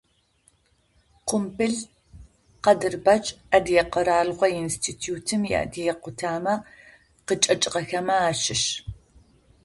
Къумпӏыл Къадырбэч, Адыгэ къэралыгъо институтым иадыгэ къутамэ къычӏэкӏыгъэхэмэ ащыщ.